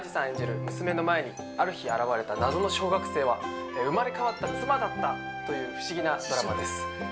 演じる娘の前にある日現れた謎の小学生は生まれ変わった妻だったという不思議なドラマです